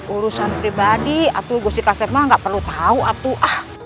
urusan pribadi atuh gusti kasep mah gak perlu tau atuh